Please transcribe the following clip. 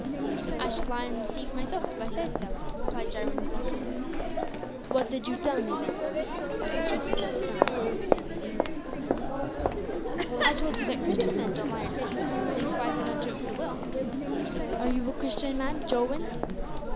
"I shud lie an' deceive myself, if I said so," replied Jarwin, bluntly. "What did you tell me, then?" asked the Chief, with a frown. "I told you that Christian men don't lie or deceive leastwise they don't do it with a will." "Are you a Christian man, Jowin?"